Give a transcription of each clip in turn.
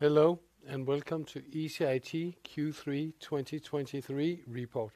Hello, and welcome to ECIT Q3 2023 report.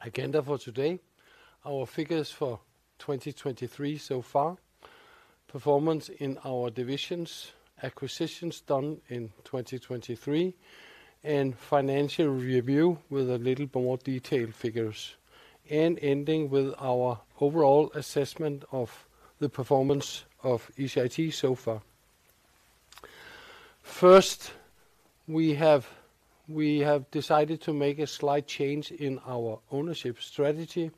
Agenda for today, our figures for 2023 so far, performance in our divisions, acquisitions done in 2023, and financial review with a little more detailed figures. Ending with our overall assessment of the performance of ECIT so far. First, we have decided to make a slight change in our ownership strategy.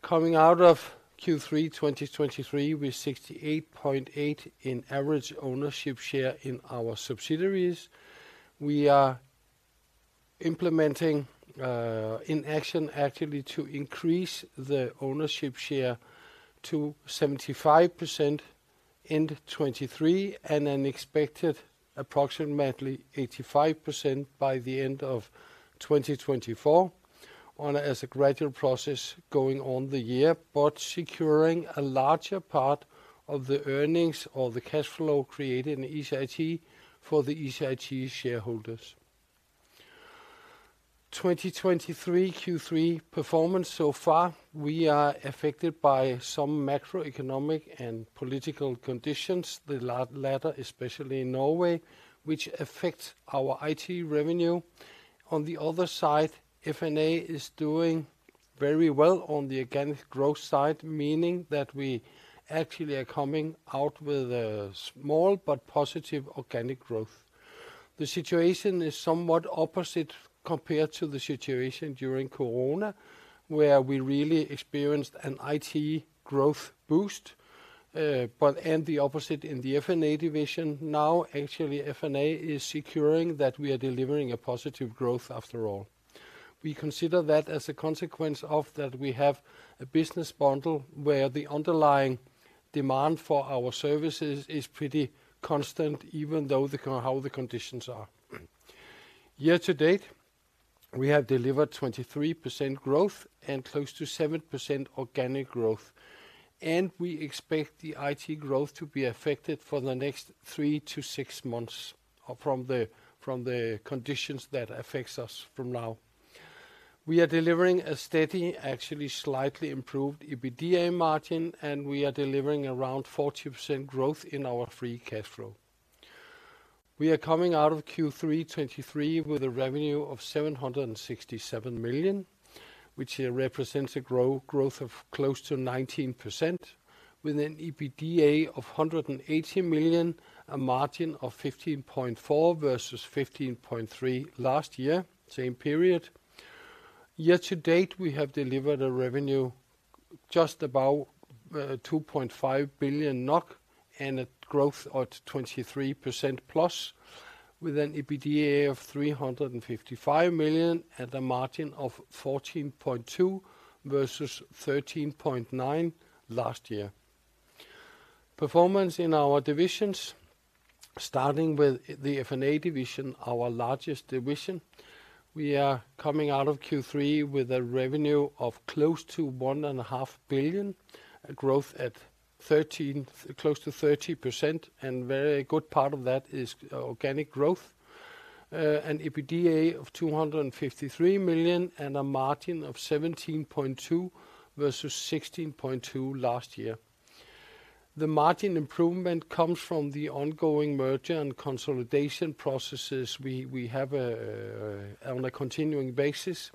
Coming out of Q3 2023, with 68.8% average ownership share in our subsidiaries, we are implementing in action actively to increase the ownership share to 75% in 2023, and an expected approximately 85% by the end of 2024, as a gradual process going on the year. But securing a larger part of the earnings or the cash flow created in ECIT, for the ECIT shareholders. 2023 Q3 performance so far, we are affected by some macroeconomic and political conditions, the latter, especially in Norway, which affects our IT revenue. On the other side, F&A is doing very well on the organic growth side, meaning that we actually are coming out with a small but positive organic growth. The situation is somewhat opposite compared to the situation during COVID, where we really experienced an IT growth boost, but and the opposite in the F&A division. Now, actually, FNA is securing that we are delivering a positive growth after all. We consider that as a consequence of that, we have a business bundle, where the underlying demand for our services is pretty constant, even though how the conditions are. Year to date, we have delivered 23% growth and close to 7% organic growth, and we expect the IT growth to be affected for the next three to six months from the conditions that affects us from now. We are delivering a steady, actually slightly improved, EBITDA margin, and we are delivering around 40% growth in our free cash flow. We are coming out of Q3 2023 with a revenue of 767 million, which represents a growth of close to 19%, with an EBITDA of 180 million, a margin of 15.4 versus 15.3 last year, same period. Year to date, we have delivered a revenue just about 2.5 billion NOK and a growth of 23%+, with an EBITDA of 355 million, and a margin of 14.2% versus 13.9% last year. Performance in our divisions, starting with the F&A division, our largest division. We are coming out of Q3 with a revenue of close to 1.5 billion, a growth at close to 13%, and very good part of that is organic growth. An EBITDA of 253 million, and a margin of 17.2% versus 16.2% last year. The margin improvement comes from the ongoing merger and consolidation processes we have on a continuing basis.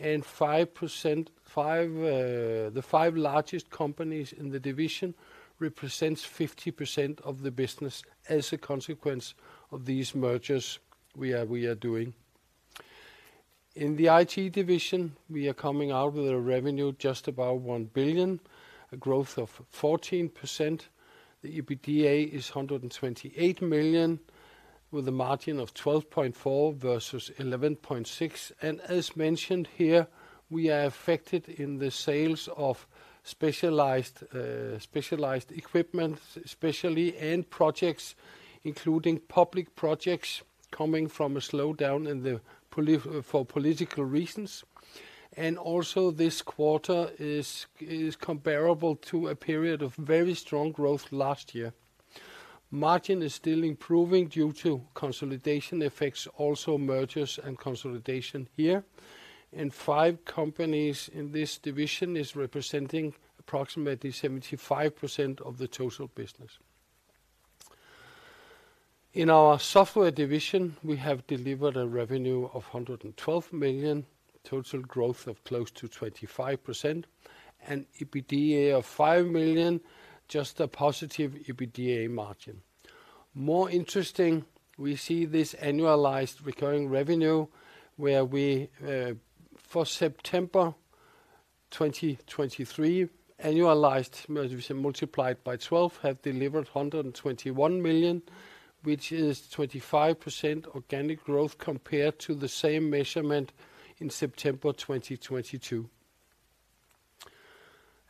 5%, the five largest companies in the division represents 50% of the business as a consequence of these mergers we are doing. In the IT division, we are coming out with a revenue just about 1 billion, a growth of 14%. The EBITDA is 128 million, with a margin of 12.4% versus 11.6%. And as mentioned here, we are affected in the sales of specialized specialized equipment, especially, and projects, including public projects, coming from a slowdown in the policy for political reasons. And also, this quarter is comparable to a period of very strong growth last year. Margin is still improving due to consolidation effects, also mergers and consolidation here. And five companies in this division is representing approximately 75% of the total business. In our software division, we have delivered a revenue of 112 million, total growth of close to 25%, and EBITDA of 5 million, just a positive EBITDA margin. More interesting, we see this annualized recurring revenue, where we for September 2023, annualized, multiplied by twelve, have delivered 121 million, which is 25% organic growth, compared to the same measurement in September 2022.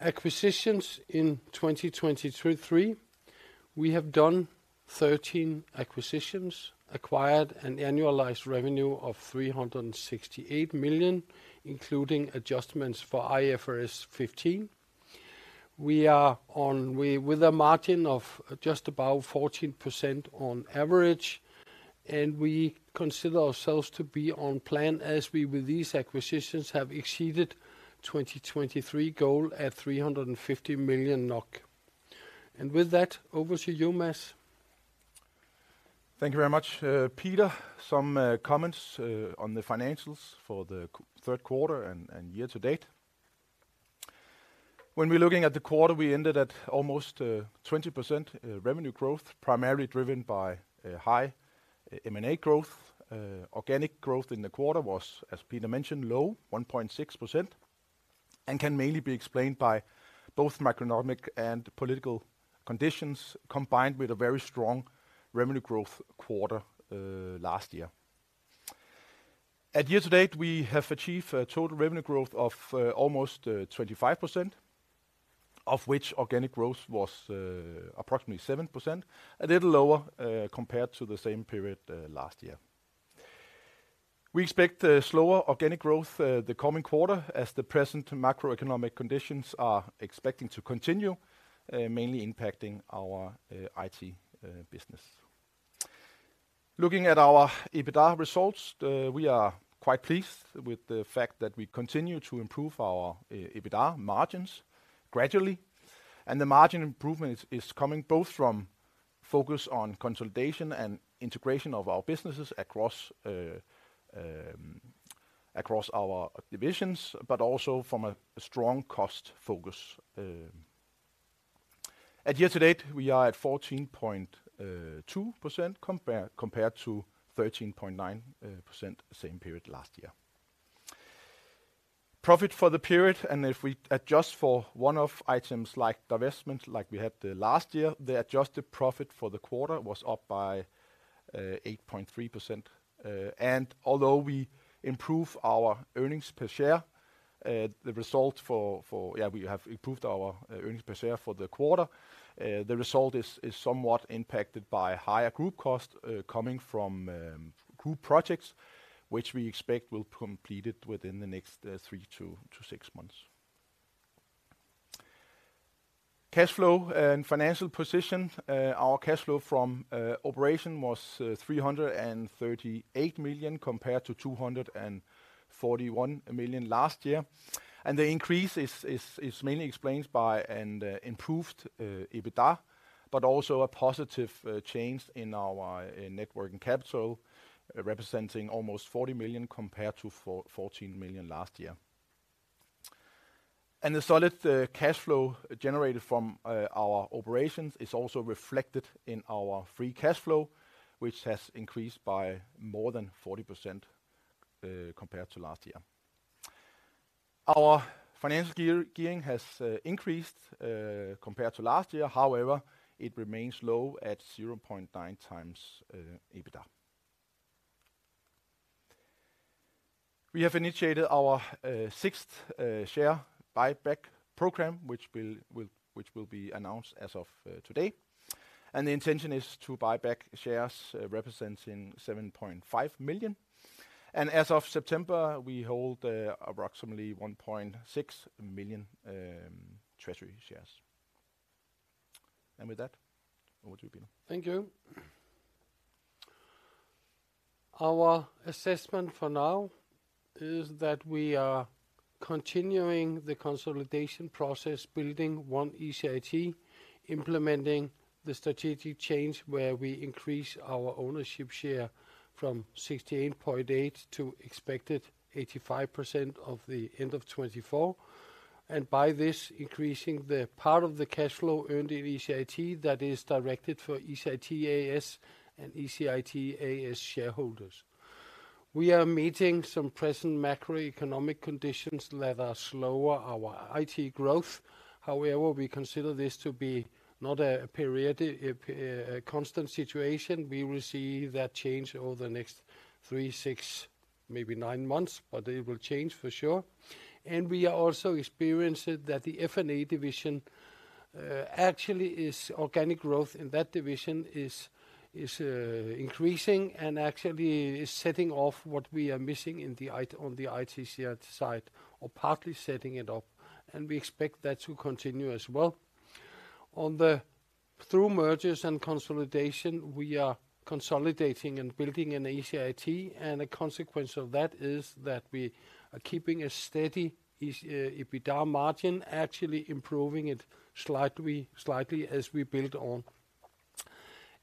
Acquisitions in 2023. We have done 13 acquisitions, acquired an annualized revenue of 368 million, including adjustments for IFRS 15. We are on with a margin of just about 14% on average, and we consider ourselves to be on plan as we, with these acquisitions, have exceeded 2023 goal at 350 million NOK. And with that, over to you, Mads. Thank you very much, Peter. Some comments on the financials for the third quarter and year to date. When we're looking at the quarter, we ended at almost 20% revenue growth, primarily driven by high M&A growth. Organic growth in the quarter was, as Peter mentioned, low, 1.6%, and can mainly be explained by both macroeconomic and political conditions, combined with a very strong revenue growth quarter last year. At year to date, we have achieved a total revenue growth of almost 25%, of which organic growth was approximately 7%, a little lower compared to the same period last year. We expect slower organic growth the coming quarter, as the present macroeconomic conditions are expecting to continue, mainly impacting our IT business. Looking at our EBITDA results, we are quite pleased with the fact that we continue to improve our EBITDA margins gradually, and the margin improvement is coming both from focus on consolidation and integration of our businesses across our divisions, but also from a strong cost focus. At year to date, we are at 14.2% compared to 13.9% same period last year. Profit for the period, and if we adjust for one-off items like divestment, like we had last year, the adjusted profit for the quarter was up by 8.3%. Although we improve our earnings per share, the result for the quarter—we have improved our earnings per share for the quarter—the result is somewhat impacted by higher group cost coming from group projects, which we expect will be completed within the next three to six months. Cash flow and financial position. Our cash flow from operation was 338 million, compared to 241 million last year. The increase is mainly explained by an improved EBITDA, but also a positive change in our net working capital, representing almost 40 million compared to 14 million last year. And the solid cash flow generated from our operations is also reflected in our free cash flow, which has increased by more than 40% compared to last year. Our financial gearing has increased compared to last year, however, it remains low at 0.9x EBITDA. We have initiated our sixth share buyback program, which will be announced as of today. And the intention is to buy back shares representing 7.5 million. And as of September, we hold approximately 1.6 million treasury shares. And with that, over to you, Peter. Thank you. Our assessment for now is that we are continuing the consolidation process, building one ECIT, implementing the strategic change, where we increase our ownership share from 68.8 to expected 85% of the end of 2024. And by this, increasing the part of the cash flow earned in ECIT that is directed for ECIT AS and ECIT AS shareholders. We are meeting some present macroeconomic conditions that are slower our IT growth. However, we consider this to be not a periodic, a constant situation. We will see that change over the next three, six, maybe nine months, but it will change for sure. We are also experiencing that the F&A division actually is organic growth, and that division is increasing and actually is setting off what we are missing in the IT side, or partly setting it off, and we expect that to continue as well. Through mergers and consolidation, we are consolidating and building an ECIT, and a consequence of that is that we are keeping a steady EBITDA margin, actually improving it slightly, slightly as we build on.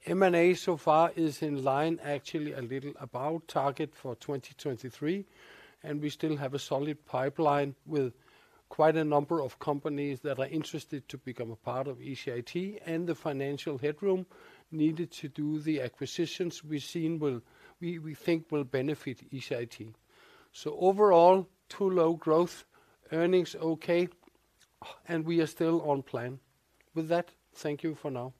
M&A so far is in line, actually a little above target for 2023, and we still have a solid pipeline with quite a number of companies that are interested to become a part of ECIT, and the financial headroom needed to do the acquisitions we've seen will we think will benefit ECIT. Overall, too low growth, earnings okay, and we are still on plan. With that, thank you for now.